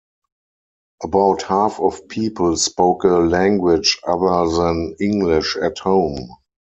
About half of people spoke a language other than English at home.